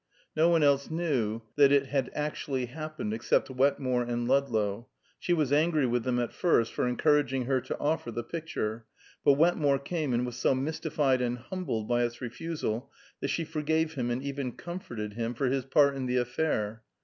No one else knew that it had actually happened except Wetmore and Ludlow; she was angry with them at first for encouraging her to offer the picture, but Wetmore came and was so mystified and humbled by its refusal, that she forgave him and even comforted him for his part in the affair.